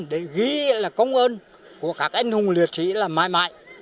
để ghi là công ơn của các anh hùng liệt sĩ là mãi mãi